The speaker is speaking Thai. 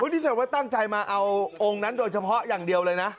นี่แสดงว่าตั้งใจมาเอาองค์นั้นโดยเฉพาะอย่างเดียวเลยนะ